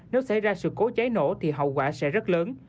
nếu xảy ra sự cố cháy nổ thì hậu quả sẽ rất lớn